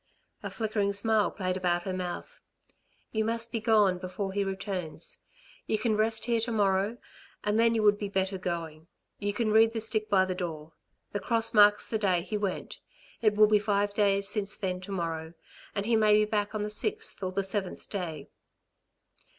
A flickering smile played about her mouth. "You must be gone before he returns. You can rest here to morrow and then you would be better going. You can read the stick by the door. The cross marks the day he went, it will be five days since then to morrow, and he may be back on the sixth, or the seventh day."